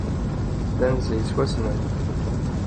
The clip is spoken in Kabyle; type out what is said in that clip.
D anzi yettwassnen.